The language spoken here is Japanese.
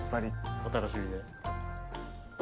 お楽しみで。